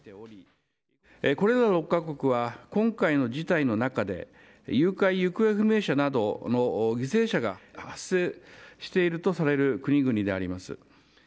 これら６か国は、今回の事態の中で、誘拐・行方不明者などの犠牲者が発生しているとされる国々であります。